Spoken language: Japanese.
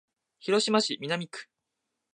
広島市南区